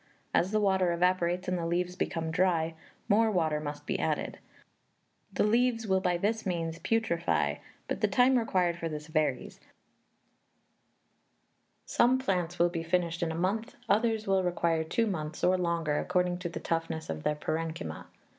As the water evaporates and the leaves become dry, more water must be added; the leaves will by this means putrefy, but the time required for this varies; some plants will be finished in a month, others will require two months or longer, according to the toughness of their parenchyma.